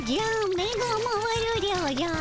目が回るでおじゃる。